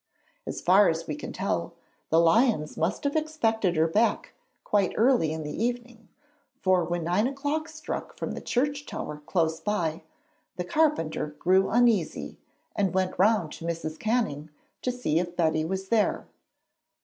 As far as we can tell, the Lyons must have expected her back quite early in the evening, for when nine o'clock struck from the church tower close by, the carpenter grew uneasy, and went round to Mrs. Canning to see if Betty was there.